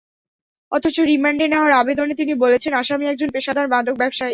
অথচ রিমান্ডে নেওয়ার আবেদনে তিনি বলেছেন, আসামি একজন পেশাদার মাদক ব্যবসায়ী।